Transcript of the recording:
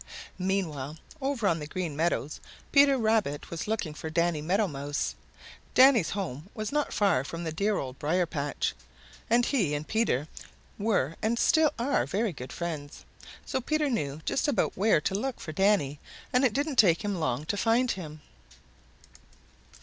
Meanwhile over on the Green Meadows Peter Rabbit was looking for Danny Meadow Mouse. Danny's home was not far from the dear Old Briar patch, and he and Peter were and still are very good friends. So Peter knew just about where to look for Danny and it didn't take him long to find him.